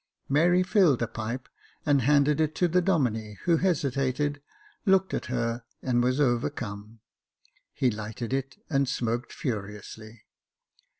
Mary filled a pipe, and handed it to the Domine, who hesitated, looked at her, and was overcome. He lighted it and smoked furiously.